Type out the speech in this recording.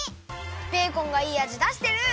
ベーコンがいいあじだしてる！